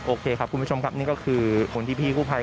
โอเคครับคุณผู้ชมครับนี่ก็คือคนที่พี่กู้ภัย